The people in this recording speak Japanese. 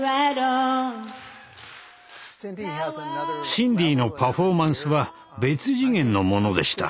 シンディのパフォーマンスは別次元のものでした。